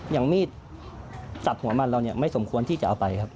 อย่างมีดตัดหัวมันเราเนี่ยไม่สมควรที่จะเอาไปครับ